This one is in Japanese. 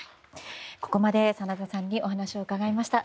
ここまで真田さんにお話を伺いました。